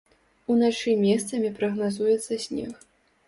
Уначы месцамі прагназуецца снег.